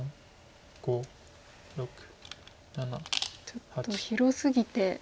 ちょっと広すぎて。